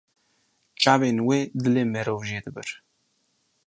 Çavên wê dilê mirov jê dibir.